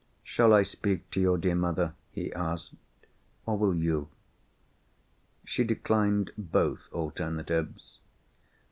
"Shall I speak to your dear mother?" he asked. "Or will you?" She declined both alternatives.